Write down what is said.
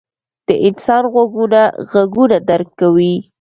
• د انسان غوږونه ږغونه درک کوي.